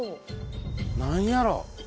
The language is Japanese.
何やろう？